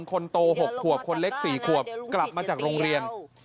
คนโต๖ขวบคนเล็ก๔ขวบกลับมาจากโรงเรียน